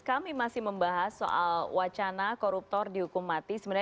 kami masih membahas soal wacana koruptor dihukum mati sebenarnya